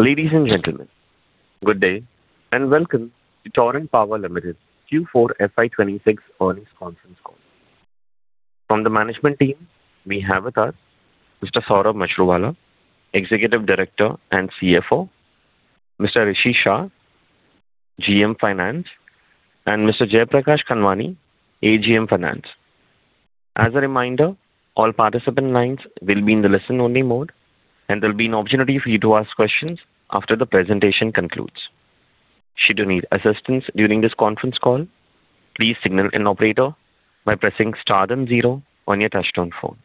Ladies and gentlemen, good day and welcome to Torrent Power Limited Q4 FY 2026 earnings conference call. From the management team, we have with us Mr. Saurabh Mashruwala, Executive Director and CFO, Mr. Rishi Shah, GM Finance, and Mr. Jayprakash Khanwani, AGM Finance. As a reminder, all participant lines will be in the listen only mode, and there'll be an opportunity for you to ask questions after the presentation concludes. Should you need assistance during this conference call, please signal an operator by pressing star then 0 on your touchtone phone.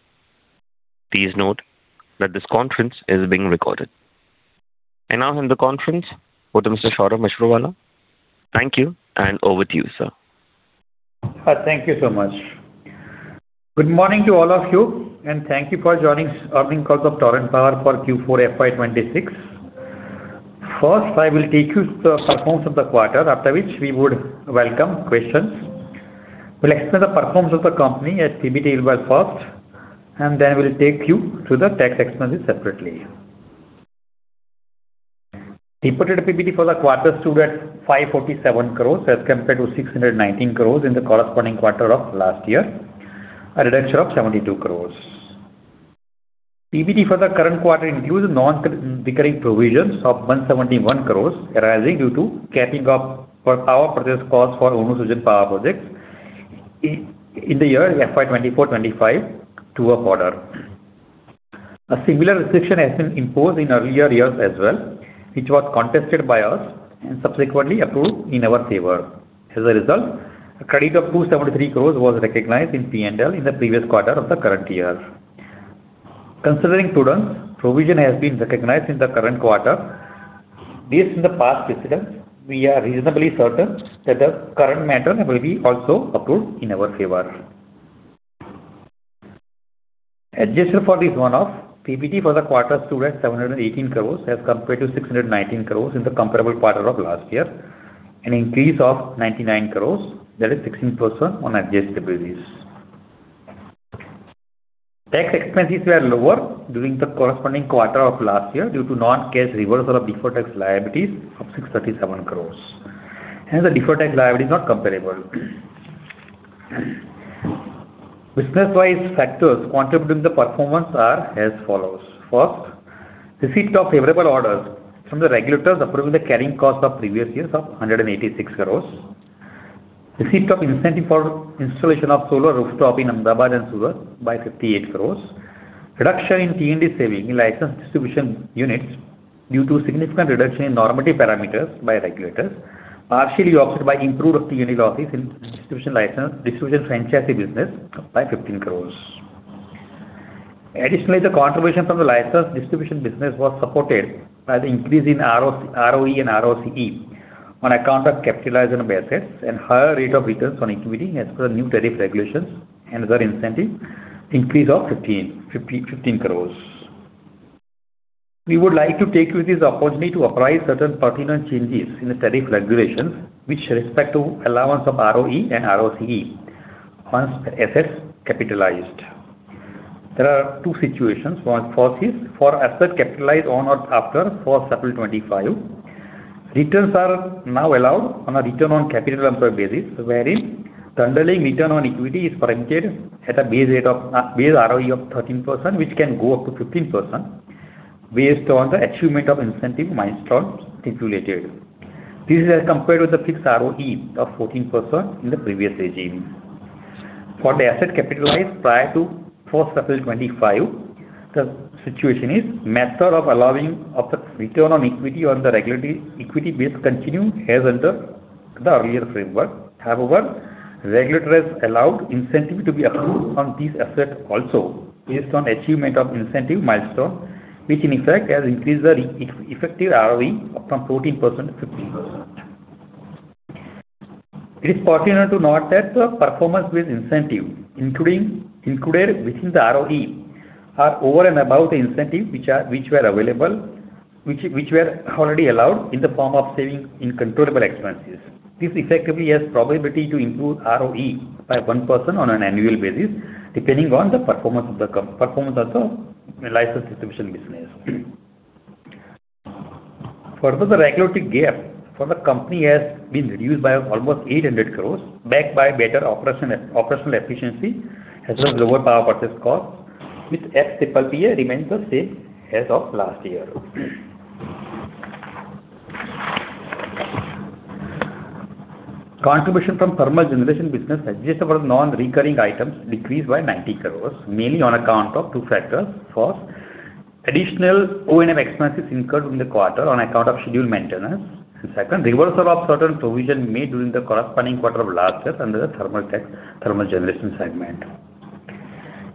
Please note that this conference is being recorded. Now from the conference over to Mr. Saurabh Mashruwala. Thank you, over to you, Sir. Thank you so much. Good morning to all of you, and thank you for joining earning call of Torrent Power for Q4 FY 2026. I will take you through the performance of the quarter, after which we would welcome questions. We'll explain the performance of the company as PBT first, then we'll take you through the tax expenses separately. PBT for the quarter stood at 547 crores as compared to 619 crores in the corresponding quarter of last year, a reduction of 72 crores. PBT for the current quarter includes non-recurring provisions of 171 crores arising due to capping of per power purchase cost for UNOSUGEN Power Project in the year FY 2024, 2025 true-up order. A similar restriction has been imposed in earlier years as well, which was contested by us and subsequently approved in our favor. As a result, a credit of 273 crores was recognized in P&L in the previous quarter of the current year. Considering prudence, provision has been recognized in the current quarter. Based on the past precedent, we are reasonably certain that the current matter will be also approved in our favor. Adjusted for this one-off, PBT for the quarter stood at 718 crores as compared to 619 crores in the comparable quarter of last year, an increase of 99 crores, that is 16% on adjusted basis. Tax expenses were lower during the corresponding quarter of last year due to non-cash reversal of deferred tax liabilities of 637 crores, and the deferred tax liability is not comparable. Business-wise factors contributing the performance are as follows. First, receipt of favorable orders from the regulators approving the carrying cost of previous years of 186 crores. Receipt of incentive for installation of solar rooftop in Ahmedabad and Surat by 58 crores. Reduction in T&D saving in licensed distribution units due to significant reduction in normative parameters by regulators, partially offset by improved T&D losses in distribution license, distribution franchisee business by 15 crores. Additionally, the contribution from the licensed distribution business was supported by the increase in ROE and ROCE on account of capitalized assets and higher rate of returns on equity as per new tariff regulations and other incentive increase of 15 crores. We would like to take this opportunity to apply certain pertinent changes in the tariff regulations with respect to allowance of ROE and ROCE on assets capitalized. There are two situations. One, first is for asset capitalized on or after April 1, 2025. Returns are now allowed on a return on capital employed basis, wherein underlying return on equity is guaranteed at a base rate of base ROE of 13%, which can go up to 15% based on the achievement of incentive milestone stipulated. This is as compared with the fixed ROE of 14% in the previous regime. For the asset capitalized prior to April 1, 2025, the situation is method of allowing of the return on equity on the regulatory equity base continue as under the earlier framework. Regulator has allowed incentive to be approved on this asset also based on achievement of incentive milestone, which in effect has increased the effective ROE from 14%-15%. It is pertinent to note that the performance-based incentive included within the ROE are over and above the incentive which were already allowed in the form of saving in controllable expenses. This effectively has probability to improve ROE by 1% on an annual basis, depending on the performance of the licensed distribution business. The regulatory gap for the company has been reduced by almost 800 crores, backed by better operational efficiency as well as lower power purchase cost, with FPPPA remains the same as of last year. Contribution from thermal generation business adjusted for non-recurring items decreased by 90 crores, mainly on account of two factors. First, additional O&M expenses incurred during the quarter on account of scheduled maintenance. Second, reversal of certain provision made during the corresponding quarter of last year under the thermal generation segment.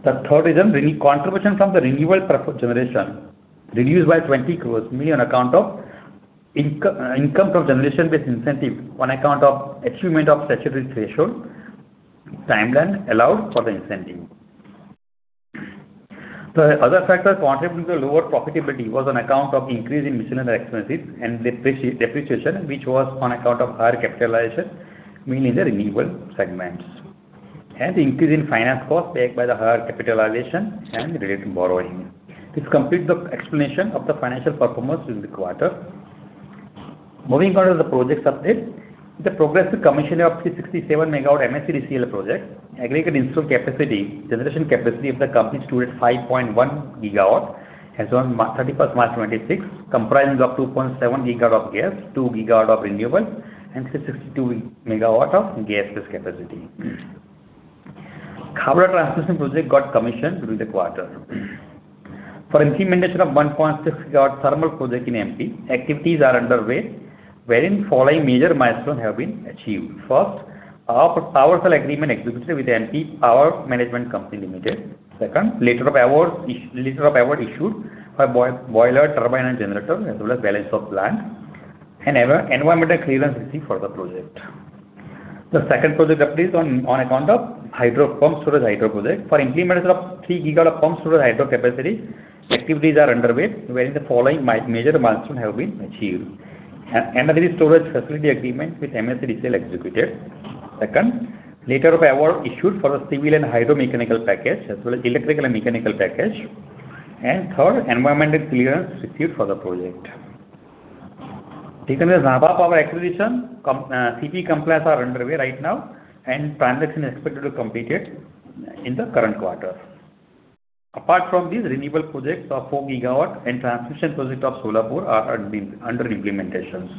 The third reason, contribution from the renewable generation reduced by 20 crores, mainly on account of income from generation-based incentive on account of achievement of statutory threshold timeline allowed for the incentive. The other factor contributing to the lower profitability was on account of increase in miscellaneous expenses and depreciation, which was on account of higher capitalization, mainly the renewable segments. Increase in finance cost backed by the higher capitalization and related borrowing. This completes the explanation of the financial performance during the quarter. Moving on to the project update. The progress to commissioning of 367 MW MSEDCL project, aggregate installed capacity, generation capacity of the company stood at 5.1 GW as on 31st March 2026, comprising of 2.7 GW of gas, 2 GW of renewable, and 362 MW of gas-based capacity. Khavda -Bhuj Transmission Project got commissioned during the quarter. For implementation of 1.6 GW thermal project in MP., activities are underway, wherein following major milestone have been achieved. First, a power sale agreement executed with MP Power Management Company Limited. Second, letter of award issued for boiler, turbine, and generator, as well as balance of plant. And environmental clearance received for the project. The second project update is on account of hydro pump, storage hydro project. For implementation of 3 GW of pump storage hydro capacity, activities are underway, wherein the following major milestone have been achieved. MSEDCL storage facility agreement with MSEDCL executed. Second, letter of award issued for a civil and hydro mechanical package as well as electrical and mechanical package. Third, environmental clearance received for the project. In terms of Nabha Power acquisition, CP compliance are underway right now. Transaction expected to be completed in the current quarter. Apart from these renewable projects of 4 GW and transmission project of Solapur are being under implementations.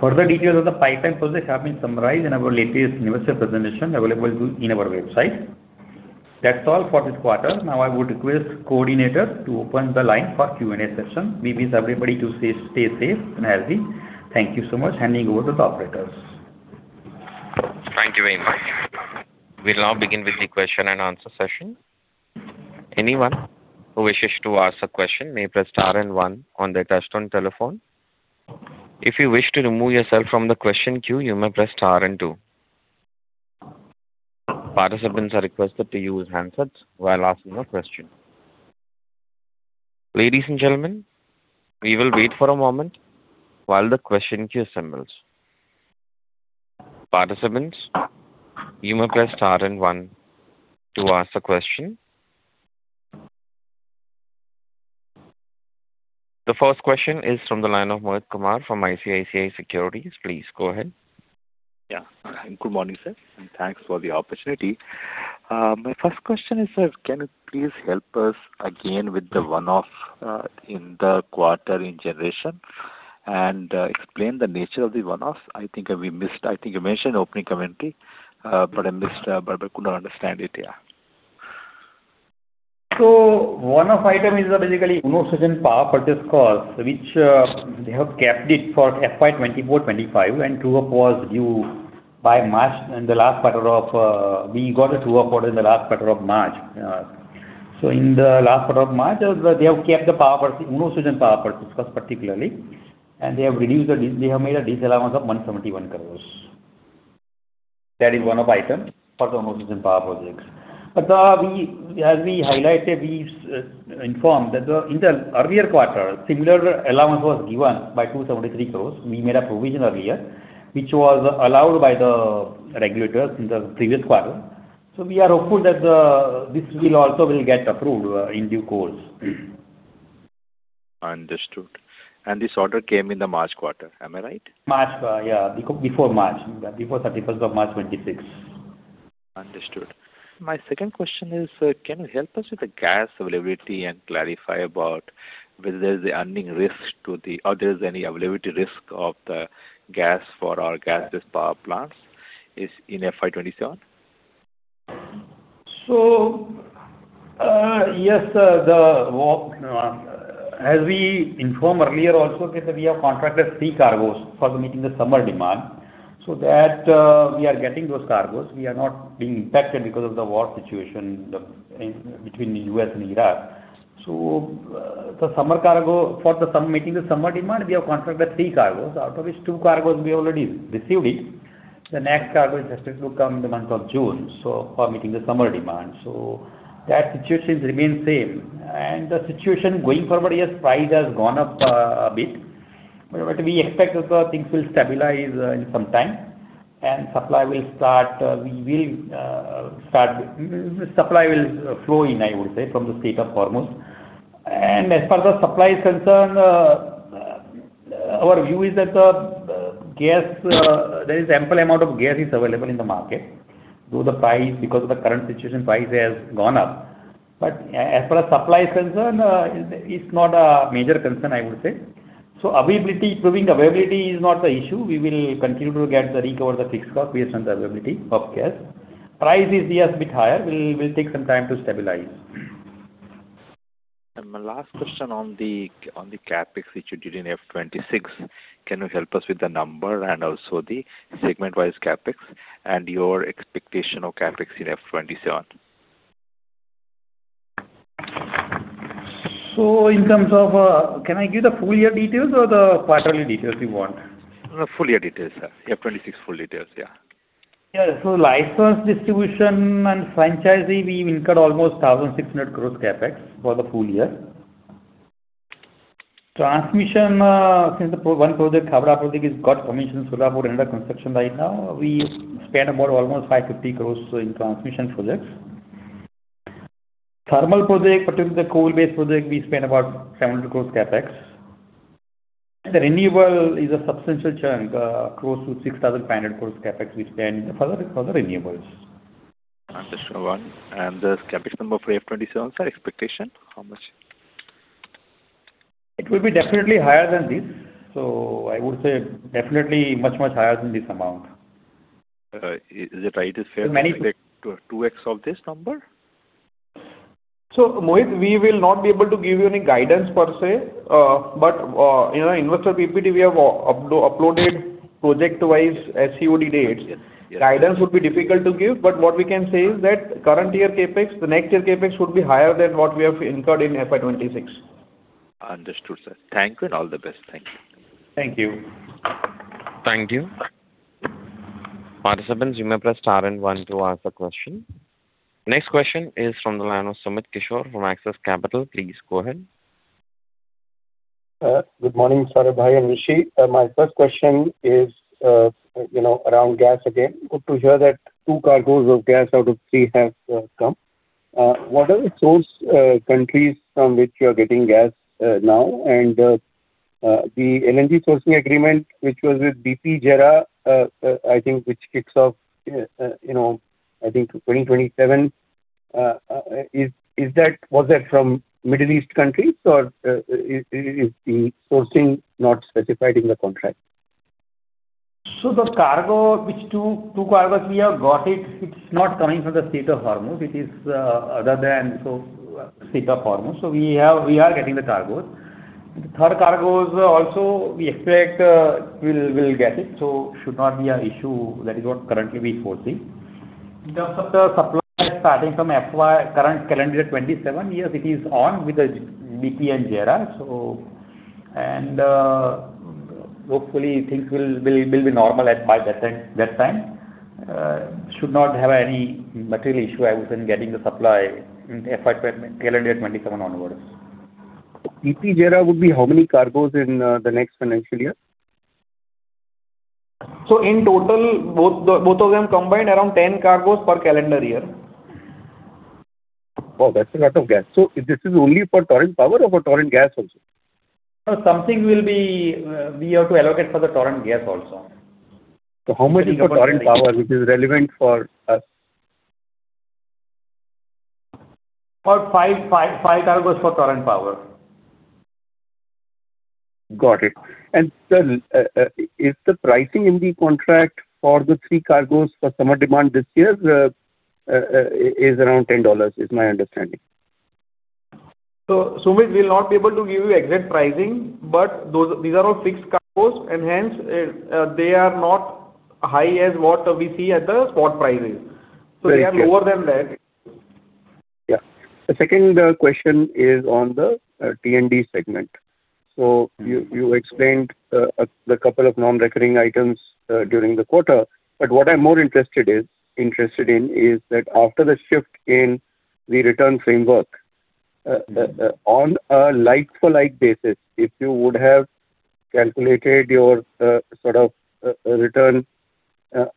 Further details of the pipeline projects have been summarized in our latest investor presentation available in our website. That's all for this quarter. Now I would request coordinator to open the line for Q&A session. We wish everybody to stay safe and healthy. Thank you so much. Handing over to the Operator. Thank you very much. We'll now begin with the question and answer session. Anyone who wishes to ask a question may press star and one on their touchtone telephone. If you wish to remove yourself from the question queue, you may press star and two. Participants are requested to use handsets while asking a question. Ladies and gentlemen, we will wait for a moment while the question queue assembles. Participants, you may press star and one to ask a question. The first question is from the line of Mohit Kumar from ICICI Securities. Please go ahead. Yeah. Good morning, Sir, and thanks for the opportunity. My first question is, can you please help us again with the one-off in the quarter in generation and explain the nature of the one-offs? I think, we missed you mentioned opening commentary, I missed, but I could not understand it. One-off item is basically UNOSUGEN power purchase cost, which they have capped it for FY 2024/2025, and true-up was due by March in the last quarter. We got a true-up order in the last quarter of March. In the last quarter of March, they have capped the UNOSUGEN power purchase cost particularly, and they have made a disallowance of 171 crores. That is one-off item for the UNOSUGEN Power Project. We, as we highlighted, we inform that in the earlier quarter, similar allowance was given by 273 crores. We made a provision earlier, which was allowed by the regulators in the previous quarter. We are hopeful that this will also get approved in due course. Understood. This order came in the March quarter. Am I right? Before 31st of March 2026. Understood. My second question is, can you help us with the gas availability and clarify about whether there's the earning risk or there's any availability risk of the gas for our gas-based power plants is in FY 2027? Yes, the war, as we informed earlier also that we have contracted three cargoes for meeting the summer demand. That, we are getting those cargoes. We are not being impacted because of the war situation between U.S. and Iran. The summer cargo, for meeting the summer demand, we have contracted three cargoes, out of which two cargoes we already received it. The next cargo is expected to come in the month of June, for meeting the summer demand. That situation remains same. The situation going forward, yes, price has gone up a bit. What we expect is that things will stabilize in some time, and supply will start, supply will flow in, I would say, from the Strait of Hormuz. As per the supply is concerned, our view is that the gas there is ample amount of gas is available in the market, though the price, because of the current situation, price has gone up. As per the supply is concerned, is not a major concern, I would say. Availability, proving availability is not the issue. We will continue to recover the fixed cost based on the availability of gas. Price is, yes, bit higher. We'll take some time to stabilize. My last question on the CapEx, which you did in FY 2026. Can you help us with the number and also the segment-wise CapEx and your expectation of CapEx in FY 2027? In terms of, can I give the full year details or the quarterly details you want? No, full year details, sir. FY 2026 full details, yeah. Yeah. License distribution and franchising, we incurred almost 1,600 crores CapEx for the full year. Transmission, since the one project, Khavda project, has got permission. That would enter construction right now. We spent about almost 550 crores in transmission projects. Thermal project, particularly the coal-based project, we spent about 70 crores CapEx. The renewable is a substantial chunk, close to 6,500 crores CapEx we spent for the renewables. Understood. The CapEx number for FY 2027, sir, expectation, how much? It will be definitely higher than this. I would say definitely much higher than this amount. Is it right? To expect two times of this number? Mohit, we will not be able to give you any guidance per se. You know, investor PPT, we have uploaded project-wise COD dates. Yes. Guidance would be difficult to give, but what we can say is that current year CapEx, the next year CapEx would be higher than what we have incurred in FY 2026. Understood, sir. Thank you and all the best. Thank you. Thank you. Thank you. Next question is from the line of Sumit Kishore from Axis Capital. Please go ahead. Good morning, Saurabh and Rishi. My first question is, you know, around gas again. Good to hear that two cargoes of gas out of three have come. What are the source countries from which you are getting gas now? The LNG sourcing agreement, which was with BP, JERA, which kicks off 2027, was that from Middle East countries or is the sourcing not specified in the contract? The cargo, which two cargoes we have got it's not coming from the Strait of Hormuz. It is other than Strait of Hormuz. We are getting the cargoes. The third cargoes also we expect we'll get it, should not be a issue. That is what currently we foresee. In terms of the supply starting from FY current, calendar 2027, yes, it is on with the BP and JERA. Hopefully things will be normal at by that time. Should not have any material issue as in getting the supply in FY calendar 2027 onwards. BP, JERA would be how many cargoes in the next financial year? In total, both of them combined, around 10 cargoes per calendar year. Oh, that's a lot of gas. This is only for Torrent Power or for Torrent Gas also? No, something will be, we have to allocate for the Torrent Gas also. How much is for Torrent Power, which is relevant for us? About five cargoes for Torrent Power. Got it. Sir, is the pricing in the contract for the three cargoes for summer demand this year, is around $10, is my understanding? Sumit, we'll not be able to give you exact pricing, but these are all fixed cargoes and hence, they are not high as what we see at the spot pricing. Very clear. They are lower than that. Yeah. The second question is on the T&D segment. You explained the couple of non-recurring items during the quarter. What I'm more interested in is that after the shift in the return framework, the on a like-for-like basis, if you would have calculated your sort of return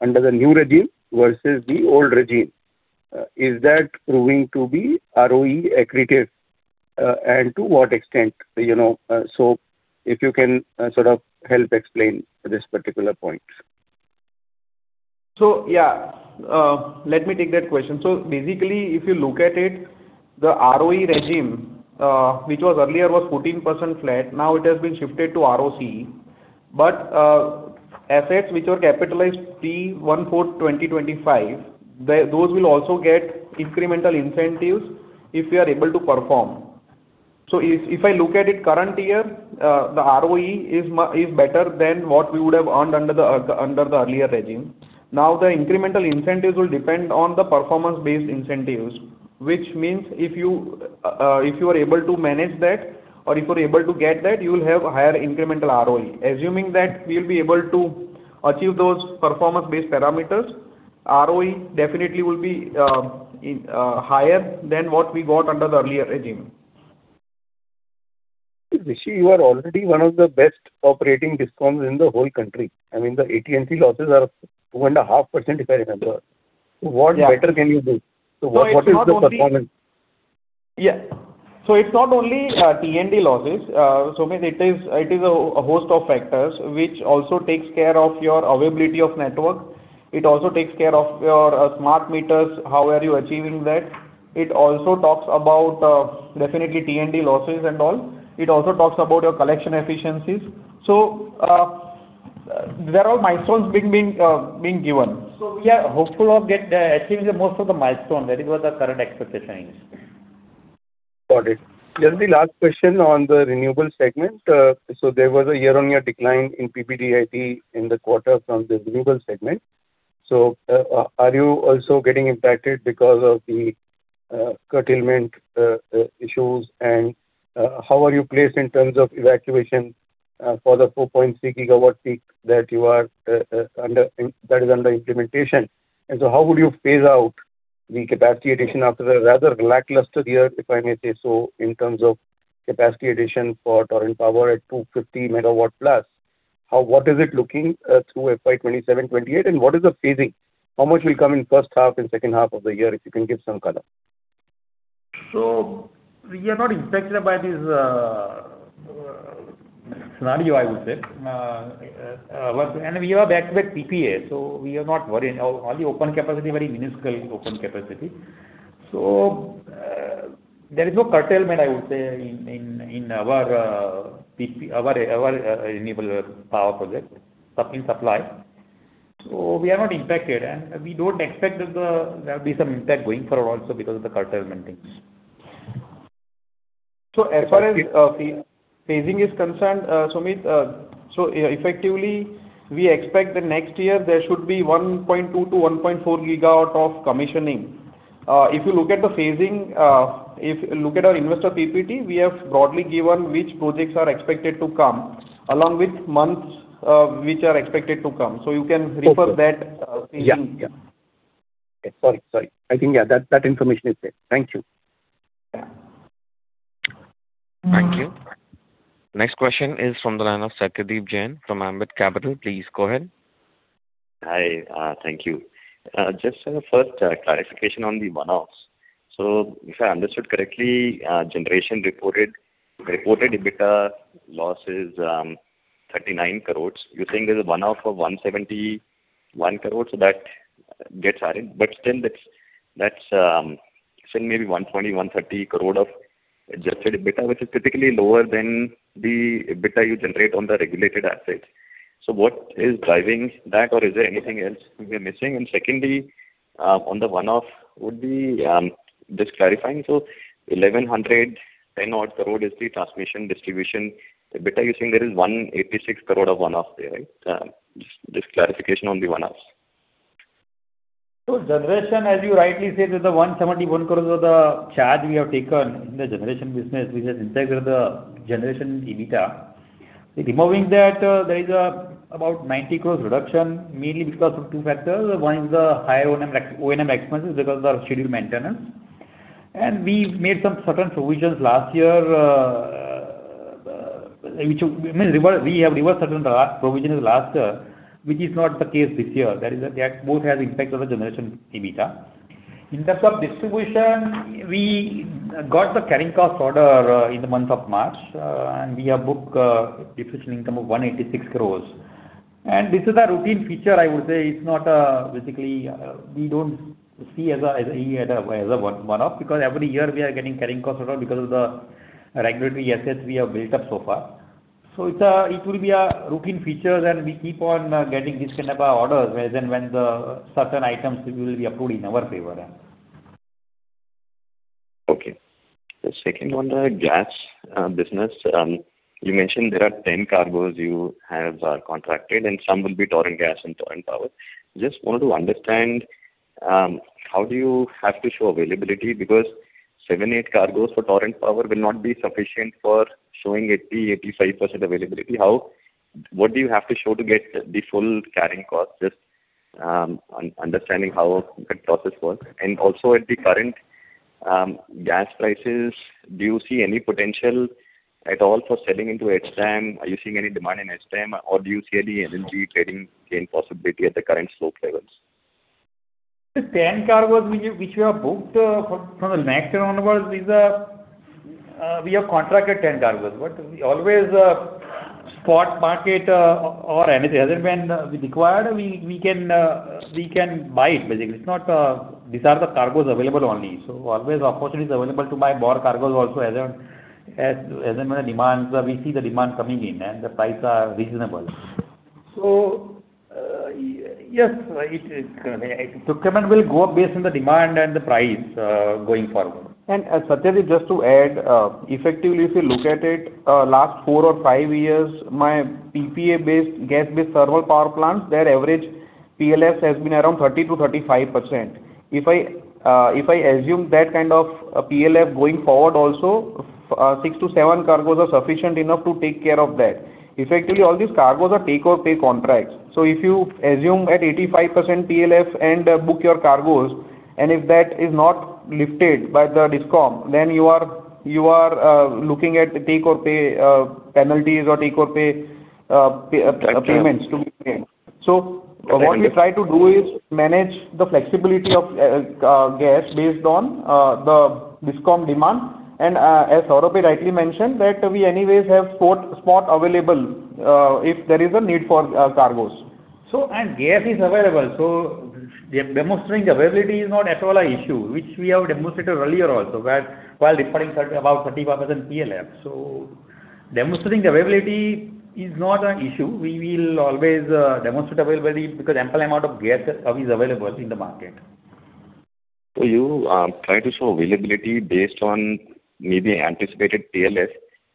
under the new regime versus the old regime, is that proving to be ROE accretive? To what extent? You know, if you can sort of help explain this particular point. Yeah, let me take that question. Basically, if you look at it, the ROE regime, which was earlier was 14% flat, now it has been shifted to ROC. But assets which were capitalized pre 1/4/2025, those will also get incremental incentives if we are able to perform. If I look at it current year, the ROE is better than what we would have earned under the earlier regime. The incremental incentives will depend on the performance-based incentives, which means if you are able to manage that or if you are able to get that, you will have higher incremental ROE. Assuming that we'll be able to achieve those performance-based parameters, ROE definitely will be higher than what we got under the earlier regime. Rishi, you are already one of the best operating DISCOMs in the whole country. I mean, the AT&C losses are 2.5%, if I remember. Yeah. What better can you do? So it's not only- What is the performance? It's not only T&D losses. Sumit, it is a host of factors which also takes care of your availability of network. It also takes care of your smart meters, how are you achieving that. It also talks about definitely T&D losses and all. It also talks about your collection efficiencies. There are milestones being given. We are hopeful of achieving the most of the milestone. That is what the current expectation is. Got it. Just the last question on the renewable segment. There was a year-on-year decline in PBDIT in the quarter from the renewable segment. Are you also getting impacted because of the curtailment issues? How are you placed in terms of evacuation for the 4.6 GW peak that you are that is under implementation? How would you phase out the capacity addition after a rather lackluster year, if I may say so, in terms of capacity addition for Torrent Power at 250 MW+. What is it looking through FY 2027, 2028, and what is the phasing? How much will come in first half and second half of the year, if you can give some color. We are not impacted by this scenario, I would say. We are backed with PPA. We are not worried. Our open capacity, very minuscule open capacity. There is no curtailment, I would say, in our renewable power project supply. We are not impacted, and we don't expect that there'll be some impact going forward also because of the curtailment things. As far as phasing is concerned, Sumit, effectively, we expect that next year there should be 1.2 GW-1.4 GW of commissioning. If you look at the phasing, if look at our investor PPT, we have broadly given which projects are expected to come along with months, which are expected to come. You can refer that phasing. Yeah. Okay. Sorry. I think, yeah, that information is there. Thank you. Yeah. Thank you. Next question is from the line of Satyadeep Jain from Ambit Capital. Please go ahead. Hi. Thank you. Clarification on the one-offs. If I understood correctly, generation reported EBITDA losses, 39 crore. You're saying there's a one-off of 171 crore, so that gets added. Still that's still maybe 120 crore, 130 crore of adjusted EBITDA, which is typically lower than the EBITDA you generate on the regulated assets. What is driving that, or is there anything else we're missing? Secondly, on the one-off would be just clarifying, 1,110 crore is the transmission distribution EBITDA. You're saying there is 186 crore of one-off there, right? Just clarification on the one-offs. Generation, as you rightly said, the 171 crores were the charge we have taken in the generation business which has impacted the generation EBITDA. Removing that, there is about 90 crores reduction, mainly because of two factors. One is the higher O&M expenses because of our scheduled maintenance. We made some certain provisions last year, which we may reverse. We have reversed certain provisions last year, which is not the case this year. That both has impact on the generation EBITDA. In terms of distribution, we got the carrying cost order in the month of March. We have booked distribution income of 186 crores. This is a routine feature, I would say. It's not basically, we don't see as a one-off because every year we are getting carrying cost order because of the regulatory assets we have built up so far. It will be a routine feature, and we keep on getting this kind of orders when the certain items will be approved in our favor. Okay. The second one, gas business. You mentioned there are 10 cargoes you have contracted, and some will be Torrent Gas and Torrent Power. Just wanted to understand how do you have to show availability because seven, eight cargoes for Torrent Power will not be sufficient for showing 80%-85% availability. What do you have to show to get the full carrying cost? Just understanding how that process works. Also at the current gas prices, do you see any potential at all for selling into HP-DAM? Are you seeing any demand in HP-DAM, or do you see any LNG trading gain possibility at the current slope levels? The 10 cargoes which we have booked, for, from the next year onwards is, we have contracted 10 cargoes. We always spot market or anything. Whenever we required, we can buy it basically. It's not these are the cargoes available only. Always opportunities available to buy more cargoes also as and when demands, we see the demand coming in and the price are reasonable. Yes, it is, procurement will go up based on the demand and the price going forward. Satyadeep, just to add, effectively, if you look at it, last four or five years, my PPA-based, gas-based thermal power plants, their average PLFs has been around 30%-35%. If I assume that kind of PLF going forward also, six to seven cargoes are sufficient enough to take care of that. Effectively, all these cargoes are take or pay contracts. If you assume at 85% PLF and book your cargoes, and if that is not lifted by the DISCOM, then you are, you are looking at take or pay penalties or take or pay. Payments to be paid. What we try to do is manage the flexibility of gas based on the DISCOM demand. As Saurabh rightly mentioned, that we anyways have spot available if there is a need for cargoes. Gas is available, so demonstrating availability is not at all an issue, which we have demonstrated earlier also, where while referring about 35% PLF. Demonstrating availability is not an issue. We will always demonstrate availability because ample amount of gas is available in the market. You try to show availability based on maybe anticipated PLF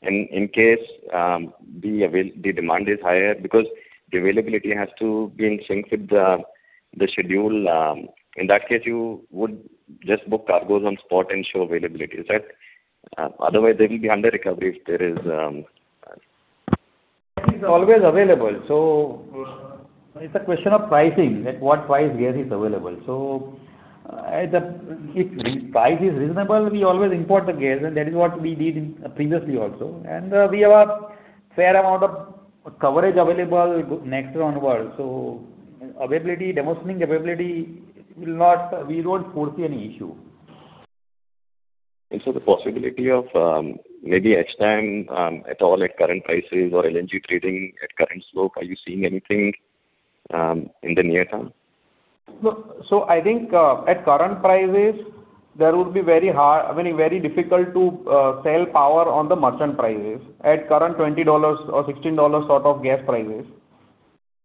in case, the demand is higher because the availability has to be in sync with the schedule. In that case, you would just book cargoes on spot and show availability. Is that? Otherwise there will be under-recovery if there is. Gas is always available. It's a question of pricing, at what price gas is available. If re-price is reasonable, we always import the gas, and that is what we did in previously also. We have a fair amount of coverage available go next round also. Availability, dispatching capability, we won't foresee any issue. The possibility of, maybe hedge time, at all at current prices or LNG trading at current slope. Are you seeing anything in the near term? I think, at current prices, there would be I mean, very difficult to sell power on the merchant prices. At current $20 or $16 sort of gas prices.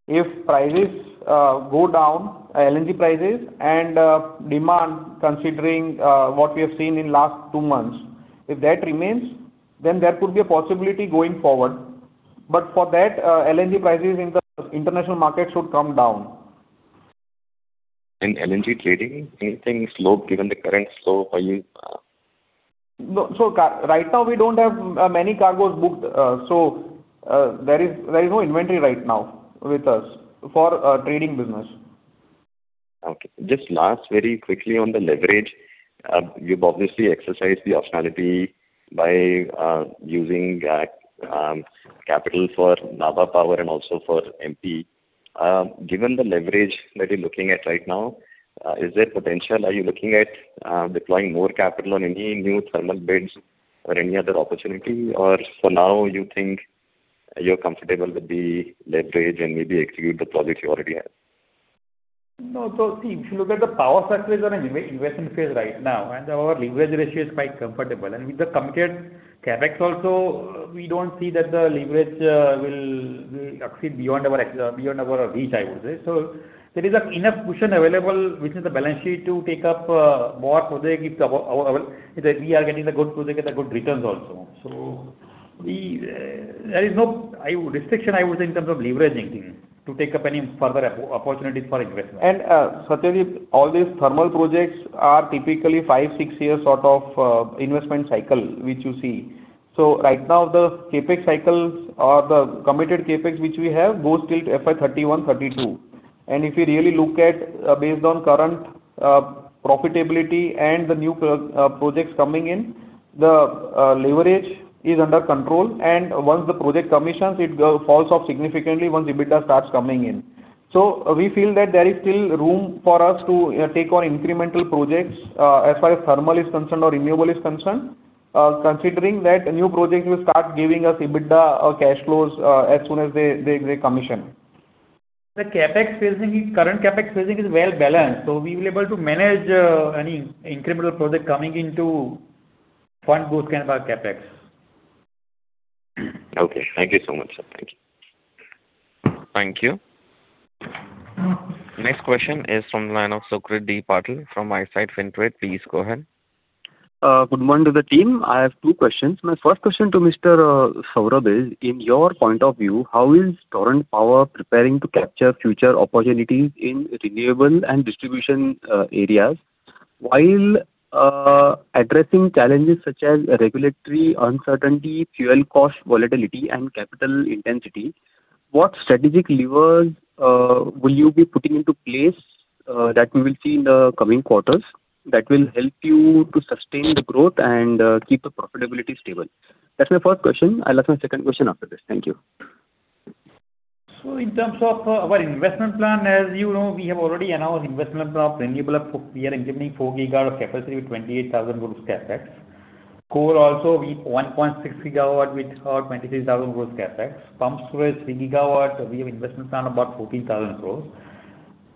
If prices go down, LNG prices and demand considering what we have seen in last two months, if that remains, then there could be a possibility going forward. For that, LNG prices in the international market should come down. LNG trading, anything slope given the current slope, are you. No. Right now we don't have many cargoes booked. There is no inventory right now with us for a trading business. Okay. Just last very quickly on the leverage. You've obviously exercised the optionality by using capital for Nabha Power and also for MP. Given the leverage that you're looking at right now, is there potential? Are you looking at deploying more capital on any new thermal bids or any other opportunity? For now you think you're comfortable with the leverage and maybe execute the projects you already have? No. See, if you look at the power sectors, we're in investment phase right now, our leverage ratio is quite comfortable. With the committed CapEx also, we don't see that the leverage will exceed beyond our beyond our reach, I would say. There is enough cushion available within the balance sheet to take up more project if we are getting the good project and the good returns also. We, there is no restriction, I would say, in terms of leveraging. To take up any further opportunities for investment. Satyadeep, all these thermal projects are typically five, six years sort of investment cycle, which you see. Right now the CapEx cycles or the committed CapEx which we have goes till FY 2031, 2032. If you really look at, based on current profitability and the new projects coming in, the leverage is under control. Once the project commissions, it falls off significantly once EBITDA starts coming in. We feel that there is still room for us to, you know, take on incremental projects, as far as thermal is concerned or renewable is concerned, considering that new projects will start giving us EBITDA or cash flows, as soon as they commission. Current CapEx phasing is well balanced, we will be able to manage any incremental project coming into fund both kind of our CapEx. Okay. Thank you so much, Sir. Thank you. Next question is from the line of Sucrit D. Patil from Eyesight Fintrade. Please go ahead. Good morning to the team. I have two questions. My first question to Mr. Saurabh is, in your point of view, how is Torrent Power preparing to capture future opportunities in renewable and distribution areas while addressing challenges such as regulatory uncertainty, fuel cost volatility, and capital intensity? What strategic levers will you be putting into place that we will see in the coming quarters that will help you to sustain the growth and keep the profitability stable? That's my first question. I'll ask my second question after this. Thank you. In terms of our investment plan, as you know, we have already announced investment plan of renewable of 4 GW of capacity with 28,000 crores CapEx. Coal also we 1.6 GW with 23,000 crores CapEx. Pumped storage 3 GW, we have investment plan about 14,000 crores.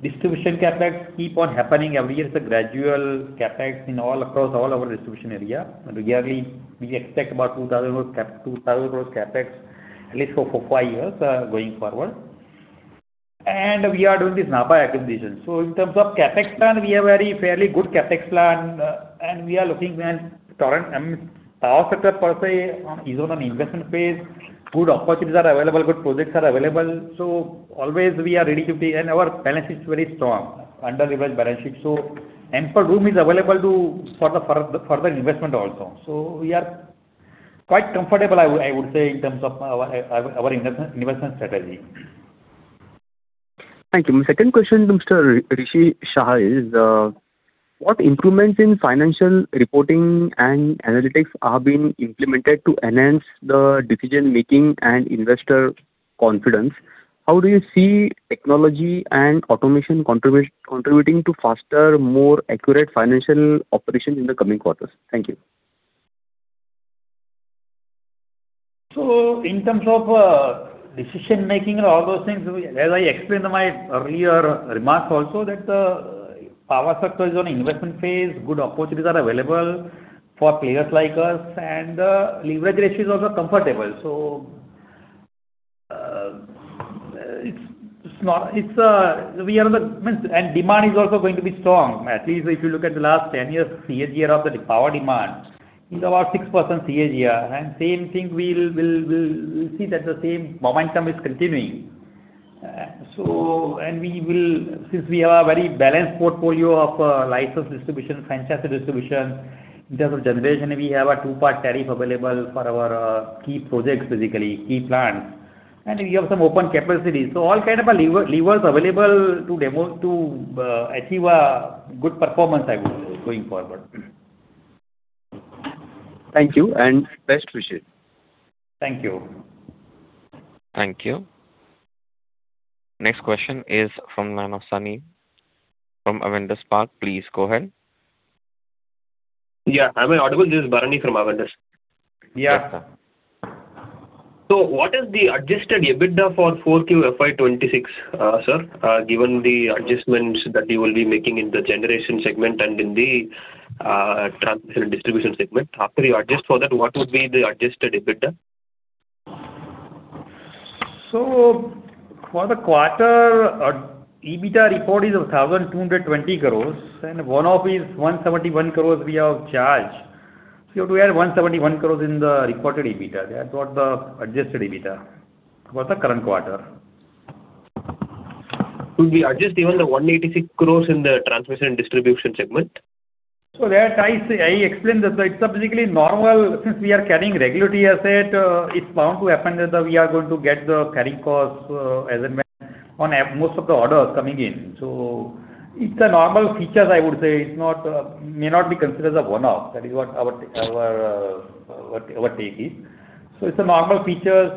Distribution CapEx keep on happening every year as a gradual CapEx in all across all our distribution area. Yearly we expect about 2,000 crores CapEx at least for 4 years-5 years going forward. We are doing this Nabha acquisition. In terms of CapEx plan, we have very fairly good CapEx plan. We are looking and Torrent Power sector per se is on an investment phase. Good opportunities are available, good projects are available. Always we are ready to be, and our balance sheet is very strong, under leverage balance sheet. Ample room is available to sort of further investment also. We are quite comfortable, I would say, in terms of our investment strategy. Thank you. My second question to Mr. Rishi Shah is, what improvements in financial reporting and analytics are being implemented to enhance the decision-making and investor confidence? How do you see technology and automation contributing to faster, more accurate financial operations in the coming quarters? Thank you. In terms of decision-making and all those things, as I explained in my earlier remarks also that the power sector is on investment phase. Good opportunities are available for players like us, and the leverage ratio is also comfortable. We are on the means, and demand is also going to be strong. At least if you look at the last 10 years CAGR of the power demand is about 6% CAGR. Same thing we'll see that the same momentum is continuing. Since we have a very balanced portfolio of license distribution, franchise distribution, in terms of generation, we have a two-part tariff available for our key projects, basically, key plans. We have some open capacity. All kind of a levers available to achieve a good performance, I would say, going forward. Thank you, and best wishes. Thank you. Thank you. Next question is from the line of [Sunny] from Avendus Spark. Please go ahead. Yeah. Am I audible? This is Bharani from Avendus. Yeah. What is the adjusted EBITDA for 4Q FY 2026, Sir, given the adjustments that you will be making in the generation segment and in the transmission and distribution segment? After you adjust for that, what would be the adjusted EBITDA? For the quarter, our EBITDA report is of 1,220 crores. One-off is 171 crores we have charged. You have to add 171 crores in the reported EBITDA. That's what the adjusted EBITDA for the current quarter. Could we adjust even the 186 crores in the transmission and distribution segment? That I explained that. It's a basically normal. Since we are carrying regulatory asset, it's bound to happen that we are going to get the carrying costs as and when on most of the orders coming in. It's a normal features, I would say. It's not, may not be considered as a one-off. That is what our our, what it is. It's a normal features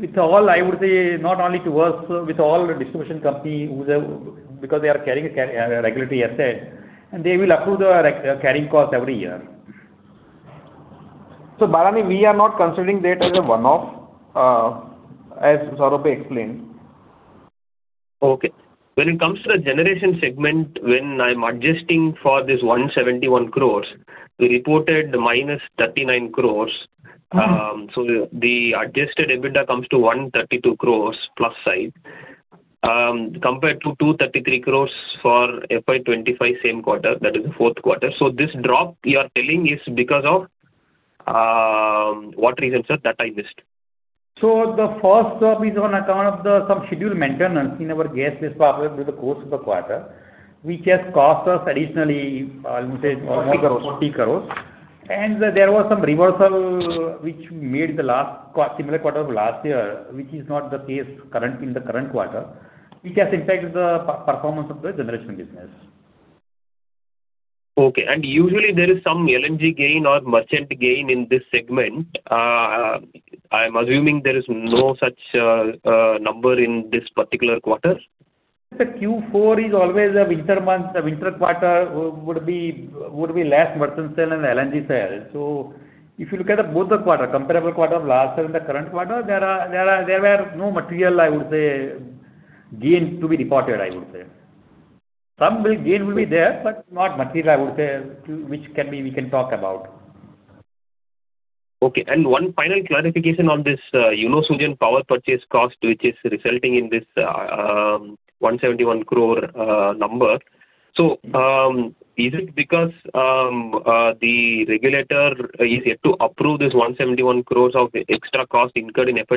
with all, I would say, not only to us, with all distribution company who they've Because they are carrying a regulatory asset, and they will accrue the carrying costs every year. Bharani, we are not considering that as a one-off, as Saurabh explained. Okay. When it comes to the generation segment, when I'm adjusting for this 171 crores, we reported -39 crores. The adjusted EBITDA comes to 132 crores+ side, compared to 233 crores for FY 2025 same quarter, that is the fourth quarter. This drop you are telling is because of what reasons, Sir, that I missed? The first is on account of the some scheduled maintenance in our gas-based power plant through the course of the quarter, which has cost us additionally, I would say. 40 crores. There was some reversal which we made the last similar quarter of last year, which is not the case current, in the current quarter, which has impacted the performance of the generation business. Okay. Usually there is some LNG gain or merchant gain in this segment. I'm assuming there is no such number in this particular quarter? The Q4 is always a winter month. The winter quarter would be less merchant sale and LNG sale. If you look at the both the quarter, comparable quarter of last year and the current quarter, there were no material, I would say, gain to be reported, I would say. Some big gain will be there, but not material, I would say. Okay. One final clarification on this, UNOSUGEN power purchase cost, which is resulting in this, 171 crore number. Is it because the regulator is yet to approve this 171 crores of extra cost incurred in FY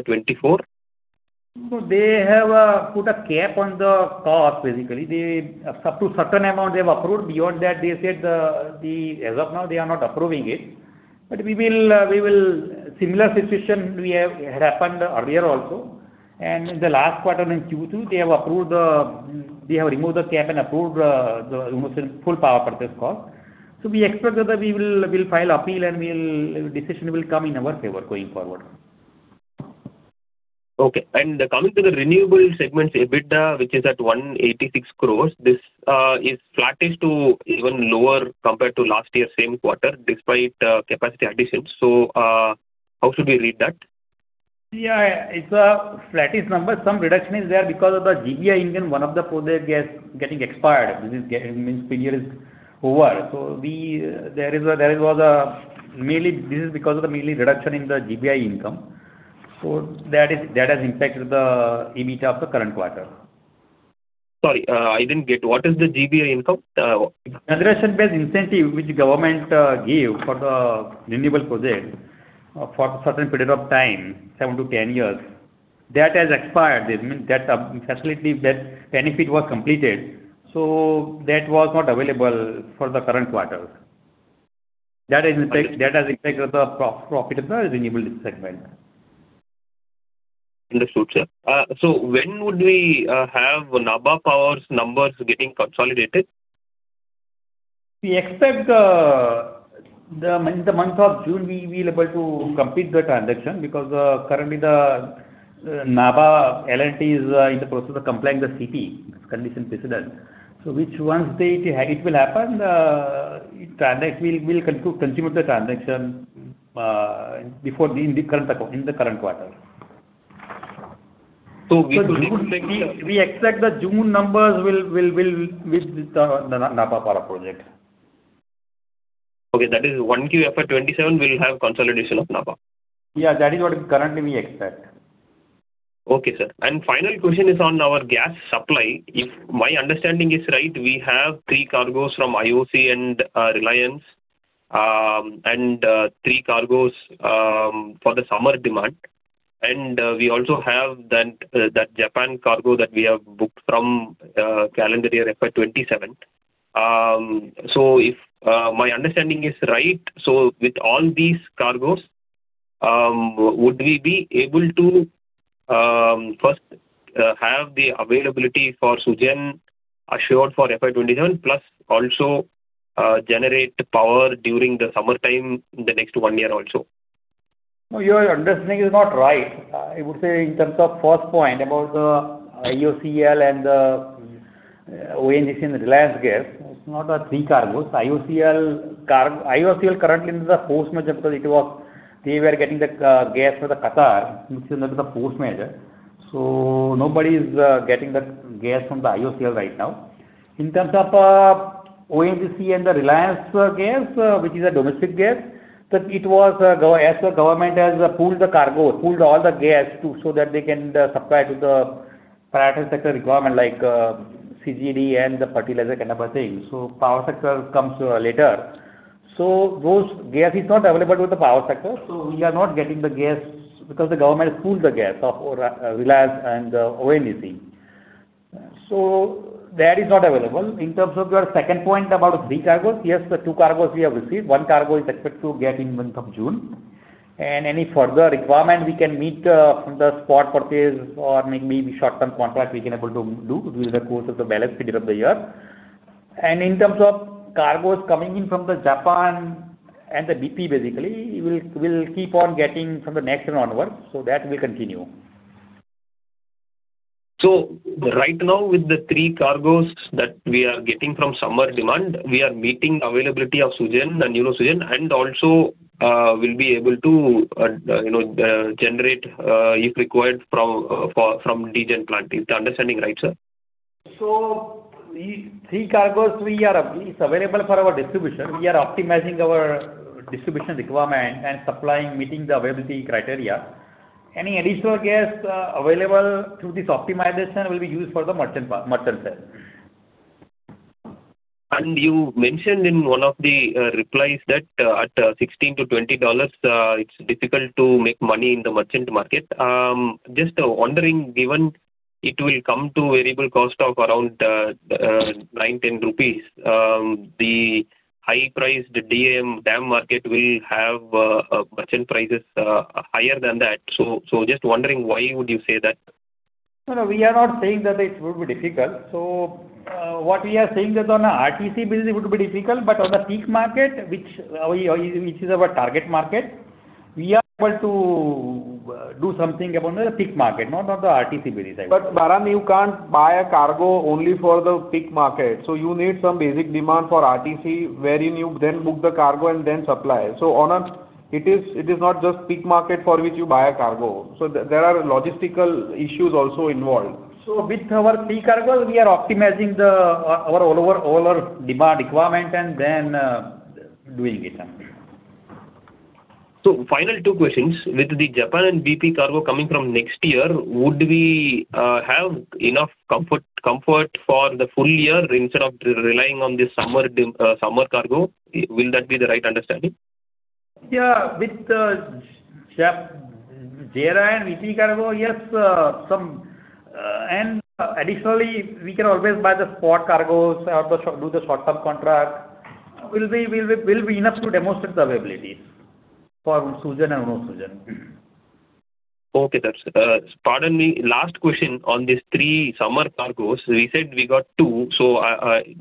2024? They have put a cap on the cost, basically. They up to certain amount they have approved. Beyond that, they said, As of now, they are not approving it. We will have similar situation we have happened earlier also. In the last quarter, in Q2, they have approved, they have removed the cap and approved the UNOSUGEN full power purchase cost. We expect that we'll file appeal, and decision will come in our favor going forward. Okay. Coming to the renewable segment's EBITDA, which is at 186 crores, this is flattish to even lower compared to last year same quarter despite capacity additions. How should we read that? It's a flattish number. Some reduction is there because of the GBI in one of the project getting expired. This means period is over. This is because of the mainly reduction in the GBI income. That has impacted the EBITDA of the current quarter. Sorry, I didn't get. What is the GBI income? Generation-based incentive which government give for the renewable project for certain period of time, 7 years-10 years. That has expired. This means that benefit was completed, so that was not available for the current quarter. That has impacted the profit of the renewable segment. Understood, sir. When would we have Nabha Power's numbers getting consolidated? We expect the month of June, we will be able to complete the transaction because currently the Nabha, L&T is in the process of complying the CP, condition precedent. Which once it will happen, it transact, we'll continue the transaction before the in the current quarter. We expect the June numbers will reach the Nabha Power project. Okay. That is 1Q FY 2027, we'll have consolidation of Nabha? Yeah. That is what currently we expect. Okay, sir. Final question is on our gas supply. If my understanding is right, we have three cargoes from IOCL and Reliance. Three cargoes for the summer demand. We also have then that JERA cargo that we have booked from calendar year FY 2027. If my understanding is right, with all these cargoes, would we be able to first have the availability for SUGEN assured for FY 2027, plus also generate power during the summertime in the next one year also? No, your understanding is not right. I would say in terms of first point about the IOCL and the ONGC and Reliance Gas, it's not three cargoes. IOCL currently is a force majeure because They were getting the gas through the Qatar, which is under the force majeure. Nobody is getting the gas from the IOCL right now. In terms of ONGC and the Reliance gas, which is a domestic gas, it was as the government has pooled the cargo, pooled all the gas so that they can supply to the private sector requirement like CGD and the fertilizer kind of a thing. Power sector comes later. Those gas is not available to the power sector, so we are not getting the gas because the government has pooled the gas of Reliance and ONGC. That is not available. In terms of your second point about three cargoes, yes, the two cargoes we have received. One cargo is expected to get in month of June. Any further requirement we can meet from the spot purchase or maybe short-term contract we can able to do during the course of the balance period of the year. In terms of cargoes coming in from the JERA and the BP basically, we'll keep on getting from the next year onward, so that will continue. Right now, with the three cargoes that we are getting from summer demand, we are meeting availability of SUGEN and UNOSUGEN, and also, we'll be able to, you know, generate, if required from DGEN plant. Is the understanding right, sir? These three cargoes we are is available for our distribution. We are optimizing our distribution requirement and supplying, meeting the availability criteria. Any additional gas available through this optimization will be used for the merchant sale. You mentioned in one of the replies that at $16-$20, it's difficult to make money in the merchant market. Just wondering, given it will come to variable cost of around 9-10 rupees, the high priced DAM market will have merchant prices higher than that. Just wondering why would you say that? No, no, we are not saying that it would be difficult. What we are saying that on a RTC basis it would be difficult, but on the peak market, which we, which is our target market, we are able to do something upon the peak market, not on the RTC basis. Bharani, you can't buy a cargo only for the peak market. You need some basic demand for RTC wherein you then book the cargo and then supply. It is not just peak market for which you buy a cargo. There are logistical issues also involved. With our peak cargo, we are optimizing all our demand requirement and then doing it. Final two questions. With the JERA and BP cargo coming from next year, would we have enough comfort for the full year instead of relying on this summer cargo? Will that be the right understanding? Yeah. With JERA and BP cargo, yes, some. Additionally, we can always buy the spot cargoes or do the short-term contract. Will be enough to demonstrate the availability for SUGEN and UNOSUGEN. Okay, sir. Pardon me. Last question on these three summer cargoes. You said we got two.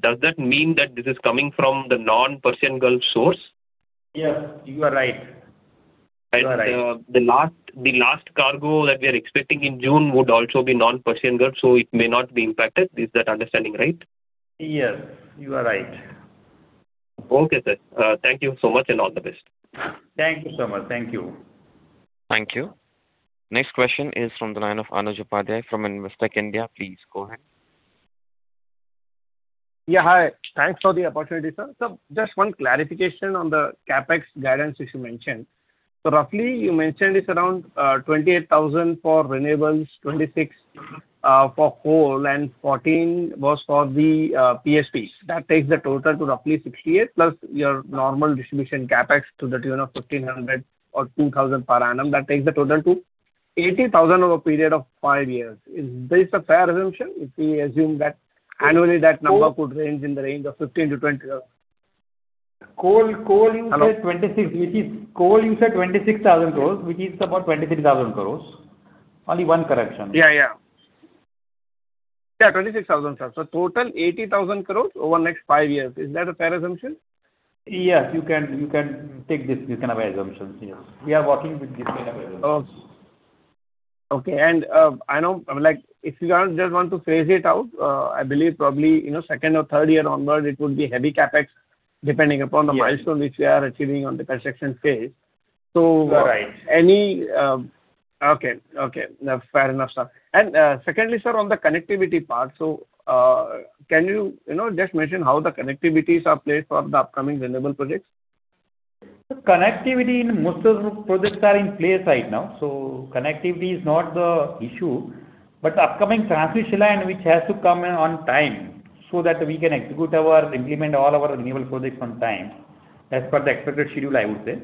Does that mean that this is coming from the non-Persian Gulf source? Yes, you are right. You are right. The last cargo that we are expecting in June would also be non-Persian Gulf, so it may not be impacted. Is that understanding right? Yes, you are right. Okay, sir. Thank you so much and all the best. Thank you so much. Thank you. Thank you. Next question is from the line of Anuj Upadhyay from Investec India. Please go ahead. Yeah, hi. Thanks for the opportunity, sir. Just one clarification on the CapEx guidance which you mentioned. Roughly you mentioned it's around 28,000 for renewables, 26,000 for coal and 14,000 was for the PSPs. That takes the total to roughly 68,000+ your normal distribution CapEx to the tune of 1,500 or 2,000 per annum. That takes the total to 80,000 over a period of five years. Is this a fair assumption if we assume that annually that number could range in the range of 15,000-20,000? Coal you said 26,000 crores, which is about 23,000 crores. Only one correction. Yeah, 26,000 crores, sir. Total 80,000 crores over next five years. Is that a fair assumption? Yes. You can take this kind of assumptions, yes. We are working with this kind of assumptions. Oh. Okay. I know, like if you are just want to phase it out, I believe probably, you know, second or third year onward it would be heavy CapEx depending upon the milestone which we are achieving on the transaction phase. Right. Okay, okay. Fair enough, sir. Secondly, sir, on the connectivity part, can you know, just mention how the connectivities are placed for the upcoming renewable projects? Connectivity in most of the projects are in place right now, so connectivity is not the issue. Upcoming transmission line which has to come in on time so that we can implement all our renewable projects on time as per the expected schedule, I would say.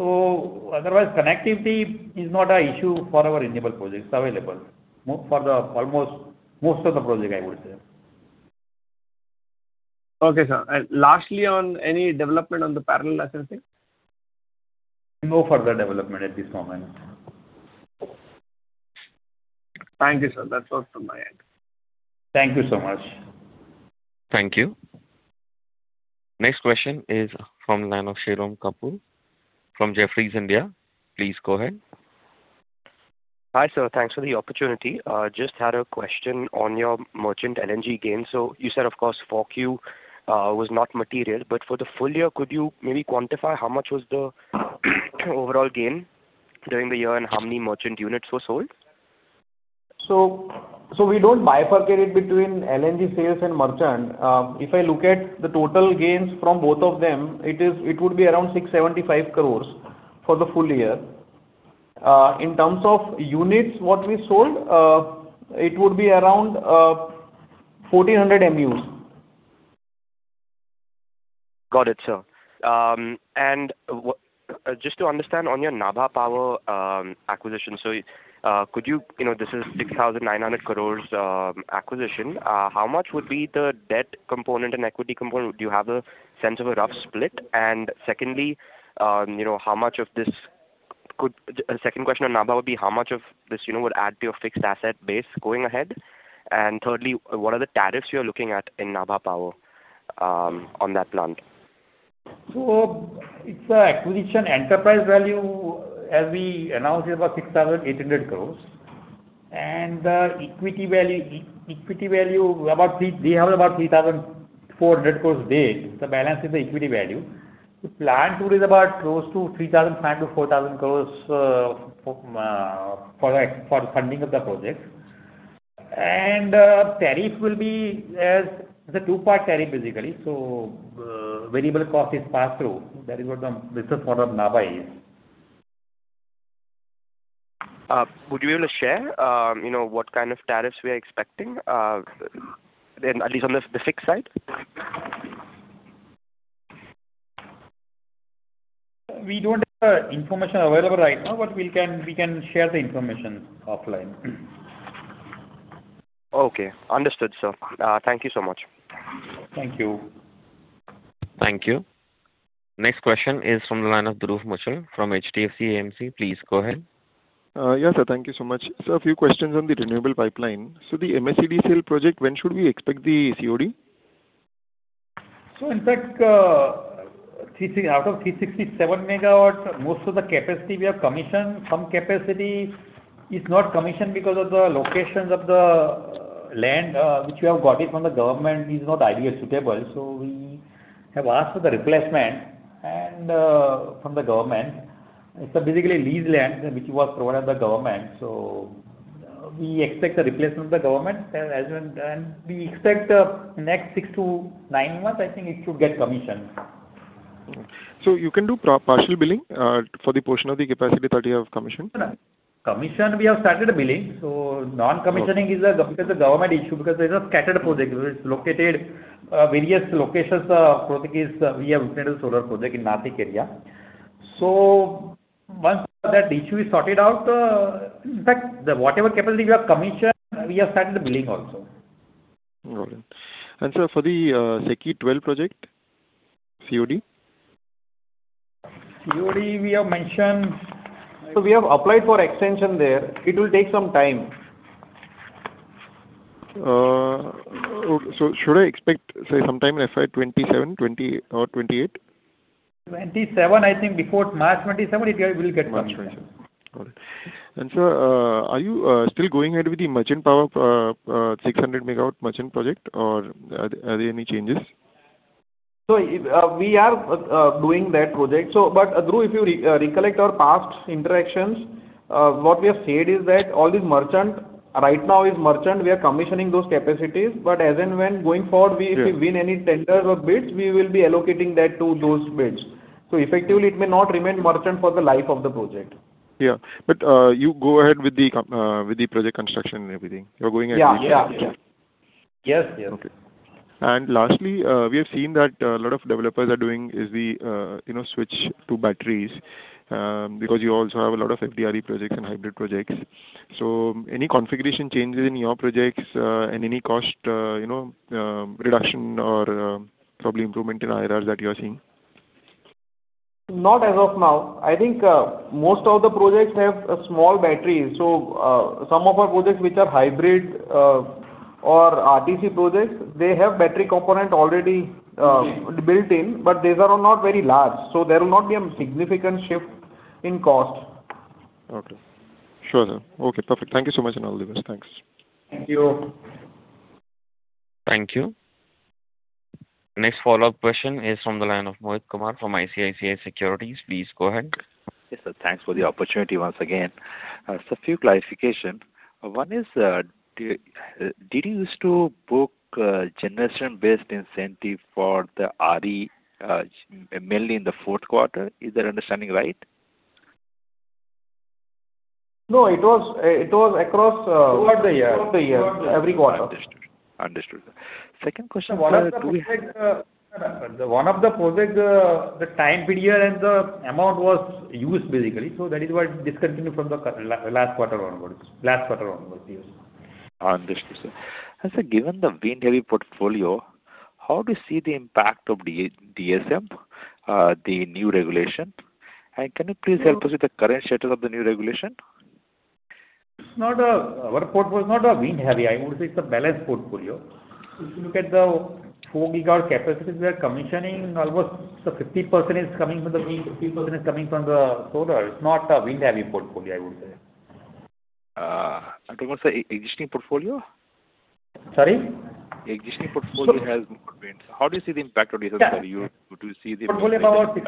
Otherwise, connectivity is not an issue for our renewable projects. It's available for the almost most of the project, I would say. Okay, sir. Lastly, on any development on the parallel licensing? No further development at this moment. Thank you, sir. That's all from my end. Thank you so much. Thank you. Next question is from the line of Shirom Kapur from Jefferies India. Please go ahead. Hi, sir. Thanks for the opportunity. Just had a question on your merchant LNG gain. You said, of course, 4Q was not material, but for the full year, could you maybe quantify how much was the overall gain during the year and how many merchant units were sold? We don't bifurcate it between LNG sales and merchant. If I look at the total gains from both of them, it would be around 675 crores for the full year. In terms of units what we sold, it would be around 1,400 MUs. Got it, sir. Just to understand on your Nabha Power acquisition. Could you, this is 6,900 crore acquisition. How much would be the debt component and equity component? Do you have a sense of a rough split? Secondly, you know, how much of this could second question on Nabha would be how much of this, you know, would add to your fixed asset base going ahead? Thirdly, what are the tariffs you're looking at in Nabha Power on that plant? It's a acquisition enterprise value, as we announced, is about 6,800 crores. Equity value, we have about 3,400 crores debt. The balance is the equity value. The plan tool is about close to 3,500-4,000 crores for the funding of the project. Tariff will be as it's a two-part tariff, basically. Variable cost is pass-through. That is what this is what Nabha is. Would you be able to share, you know, what kind of tariffs we are expecting, then at least on the fixed side? We don't have information available right now, but we can share the information offline. Okay. Understood, sir. Thank you so much. Thank you. Thank you. Next question is from the line of Dhruv Muchhal from HDFC AMC. Please go ahead. Yeah, sir. Thank you so much. A few questions on the renewable pipeline. The MSEDCL solar project, when should we expect the COD? In fact, 360 MW out of 367 MW, most of the capacity we have commissioned. Some capacity is not commissioned because of the locations of the land, which we have got it from the government is not ideally suitable. We have asked for the replacement and from the government. It's a basically leased land which was provided by government. We expect the replacement of the government. We expect, next 6 months-9 months, I think it should get commissioned. You can do pro-partial billing, for the portion of the capacity that you have commissioned? Commission we have started billing. Is a government issue because it is a scattered project. It's located various locations. Project is we have installed a solar project in Nashik area. Once that issue is sorted out, in fact, the whatever capacity we have commissioned, we have started the billing also. All right. Sir, for the SECI XII project, COD? COD we have mentioned. We have applied for extension there. It will take some time. Should I expect, say, sometime FY 2027 or 2028? 2027. I think before March 2027 it will get commissioned. March, yeah. Got it. Sir, are you still going ahead with the merchant power, 600 MW merchant project or are there any changes? We are doing that project. Dhruv, if you recollect our past interactions, what we have said is that all these merchant. Right now is merchant, we are commissioning those capacities. As and when going forward Sure. If we win any tenders or bids, we will be allocating that to those bids. Effectively, it may not remain merchant for the life of the project. Yeah. You go ahead with the project construction and everything. You're going ahead with the project? Yeah. Okay. Lastly, we have seen that a lot of developers are doing is the, you know, switch to batteries, because you also have a lot of FDRE projects and hybrid projects. Any configuration changes in your projects, and any cost, you know, reduction or, probably improvement in IRR that you are seeing? Not as of now. I think most of the projects have a small battery. Some of our projects which are hybrid or RTC projects, they have battery component already built in, but these are not very large, so there will not be a significant shift in cost. Okay. Sure, Sir. Okay, perfect. Thank you so much, and all the best. Thanks. Thank you. Thank you. Next follow-up question is from the line of Mohit Kumar from ICICI Securities. Please go ahead. Yes, sir. Thanks for the opportunity once again. Few clarification. One is, did you used to book, generation-based incentive for the RE, mainly in the fourth quarter? Is that understanding right? No, it was, it was across, throughout the year, every quarter. Understood. Understood. Second question? One of the project, the time period and the amount was used basically. That is what discontinued from the last quarter onwards we used. Understood, sir. Given the wind-heavy portfolio, how do you see the impact of DSM, the new regulation? Can you please help us with the current status of the new regulation? Our portfolio is not a wind-heavy. I would say it's a balanced portfolio. If you look at the 4 GW capacity we are commissioning, almost, 50% is coming from the wind, 50% is coming from the solar. It's not a wind-heavy portfolio, I would say. I'm talking about, Sir, existing portfolio. Sorry? Existing portfolio has more wind. How do you see the impact on DSM, Sir? Do you see the impact? Portfolio about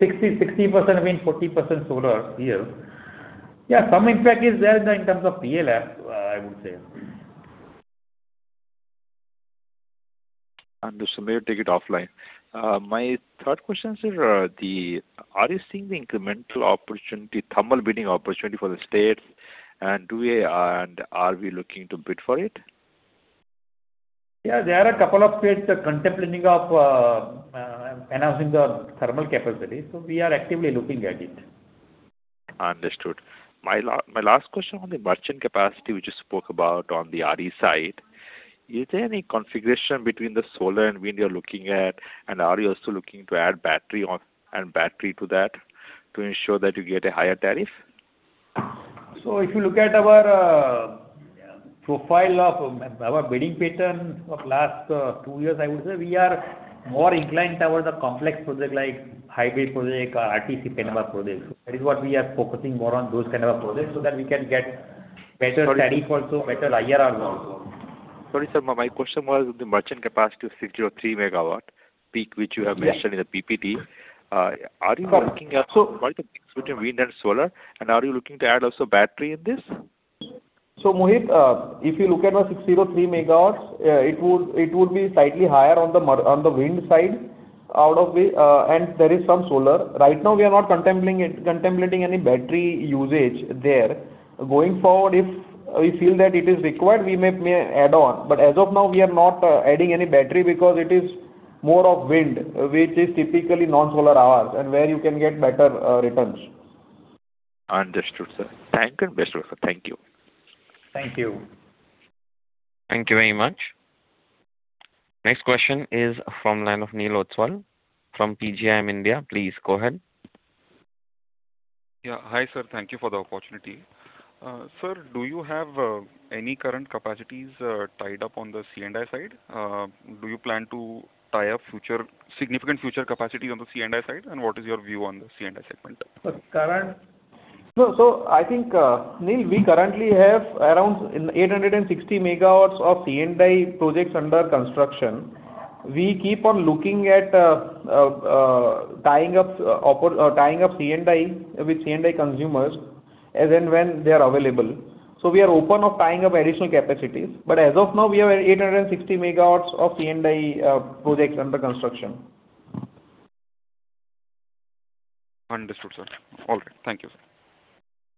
60% wind, 40% solar here. Yeah, some impact is there in terms of PLF, I would say. Understood. Maybe I'll take it offline. My third question, sir, are you seeing the incremental opportunity, thermal bidding opportunity for the state? Are we looking to bid for it? Yeah, there are a couple of states contemplating of, enhancing the thermal capacity. We are actively looking at it. Understood. My last question on the merchant capacity, which you spoke about on the RE side. Is there any configuration between the solar and wind you're looking at? Are you also looking to add battery to that to ensure that you get a higher tariff? If you look at our profile of our bidding pattern of last two years, I would say we are more inclined towards the complex project like hybrid project or RTC power projects. That is what we are focusing more on those kind of projects, so that we can get better tariff also, better IRR also. Sorry, sir. My question was the merchant capacity of 603 MW peak, which you have mentioned in the PPT. Are you now looking also multiple peaks between wind and solar? Are you looking to add also battery in this? Mohit, if you look at our 603 MW, it would be slightly higher on the wind side out of the, and there is some solar. Right now we are not contemplating any battery usage there. Going forward, if we feel that it is required, we may add on. As of now, we are not adding any battery because it is more of wind, which is typically non-solar hours and where you can get better returns. Understood, sir. Thank you. Best of luck, sir. Thank you. Thank you. Thank you very much. Next question is from the line of Neil Ostwal from PGIM India. Please go ahead. Yeah. Hi, sir. Thank you for the opportunity. Sir, do you have any current capacities tied up on the C&I side? Do you plan to tie up future, significant future capacity on the C&I side? What is your view on the C&I segment? No. I think, Neil, we currently have around 860 MW of C&I projects under construction. We keep on looking at tying up with C&I consumers as and when they are available. We are open of tying up additional capacities. As of now, we have 860 MW of C&I projects under construction. Understood, sir. All right. Thank you, sir.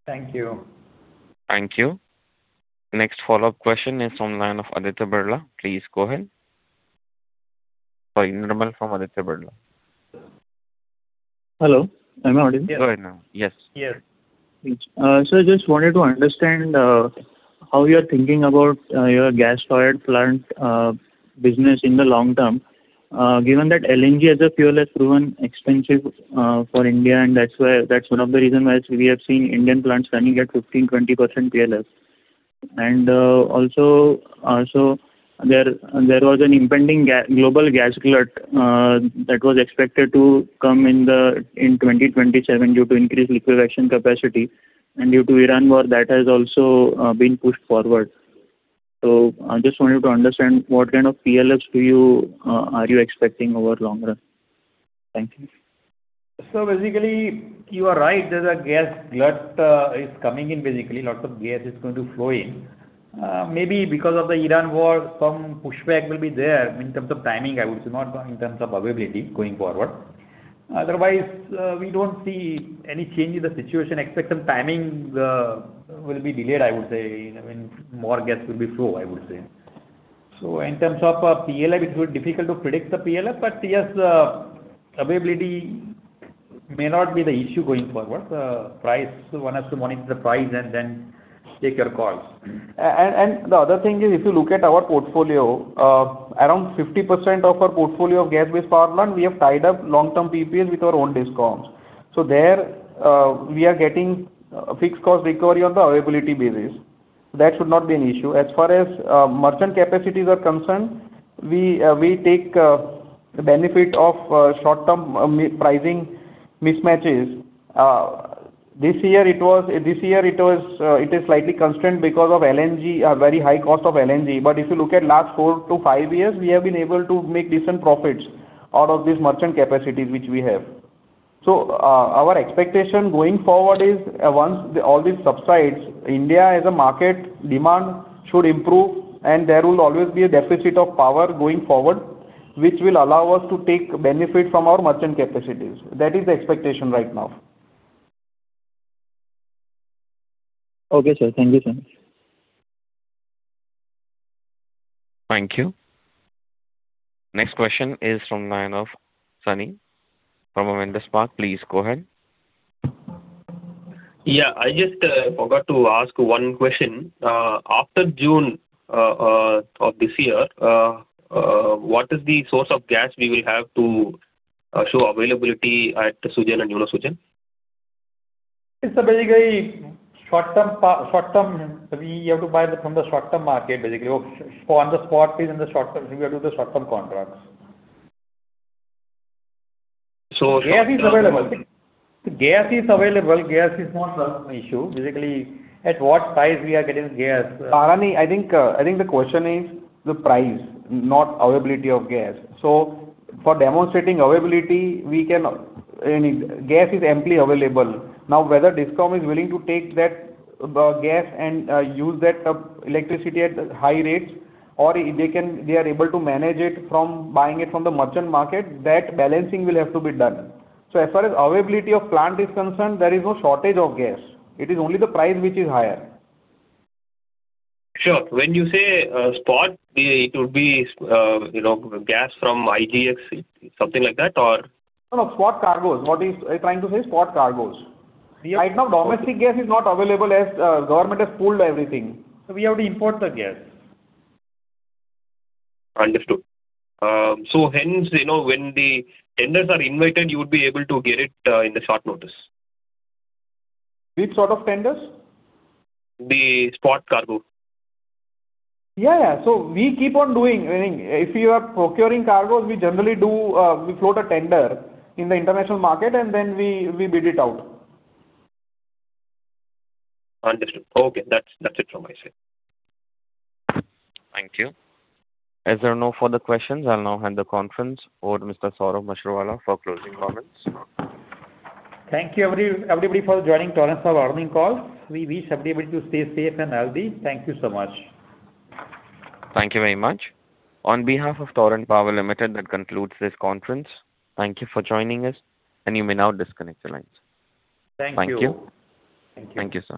Thank you. Thank you. Next follow-up question is on line of Aditya Birla. Please go ahead. Sorry, [Nirmal] from Aditya Birla. Hello, am I audible? Go ahead now. Yes. Yeah. I just wanted to understand how you are thinking about your gas-fired plant business in the long term. Given that LNG as a fuel has proven expensive for India, and that's where, that's one of the reason why we have seen Indian plants running at 15%-20% PLFs. There was an impending global gas glut that was expected to come in the, in 2027 due to increased liquefaction capacity. Due to Iran war, that has also been pushed forward. I just wanted to understand what kind of PLFs do you are you expecting over long run? Thank you. Basically, you are right. There's a gas glut is coming in basically. Lots of gas is going to flow in. Maybe because of the Iran war, some pushback will be there in terms of timing, I would say, not in terms of availability going forward. We don't see any change in the situation except some timing will be delayed, I would say, when more gas will be flow, I would say. In terms of PLF. It's very difficult to predict the PLF, but yes, availability may not be the issue going forward. Price, one has to monitor the price and then take your calls. The other thing is if you look at our portfolio, around 50% of our portfolio of gas-based power plant, we have tied up long-term PPAs with our own DISCOMs. There, we are getting fixed cost recovery on the availability basis. That should not be an issue. As far as merchant capacities are concerned, we take benefit of short-term pricing mismatches. This year it was slightly constrained because of LNG, very high cost of LNG. If you look at last four to five years, we have been able to make decent profits. Out of this merchant capacities which we have. Our expectation going forward is once all this subsides, India as a market demand should improve, and there will always be a deficit of power going forward, which will allow us to take benefit from our merchant capacities. That is the expectation right now. Okay, sir. Thank you so much. Thank you. Next question is from the line of [Sunny] from Avendus Spark. Please go ahead. I just forgot to ask one question. After June of this year, what is the source of gas we will have to show availability at SUGEN and UNOSUGEN? It's a very short-term. We have to buy from the short-term market, basically. On the spot is in the short-term. We have to do the short-term contracts. Gas is available. Gas is not an issue. Basically, at what price we are getting gas. Bharani, I think the question is the price, not availability of gas. For demonstrating availability, Gas is amply available. Whether DISCOM is willing to take that gas and use that electricity at high rates, or they are able to manage it from buying it from the merchant market, that balancing will have to be done. As far as availability of plant is concerned, there is no shortage of gas. It is only the price which is higher. Sure. When you say spot, it would be, you know, gas from IGX, something like that or? No, spot cargoes. What he's trying to say is spot cargoes. Right now, domestic gas is not available as government has pooled everything. We have to import the gas. Understood. Hence, you know, when the tenders are invited, you would be able to get it in the short notice? Which sort of tenders? The spot cargo? Yes. We keep on doing. If you are procuring cargoes, we generally do, we float a tender in the international market and then we bid it out. Understood. Okay. That's it from my side. Thank you. As there are no further questions, I'll now hand the conference over to Mr. Saurabh Mashruwala for closing comments. Thank you everybody for joining Torrent Power earnings call. We wish everybody to stay safe and healthy. Thank you so much. Thank you very much. On behalf of Torrent Power Limited, that concludes this conference. Thank you for joining us, and you may now disconnect the lines. Thank you. Thank you. Thank you Sir.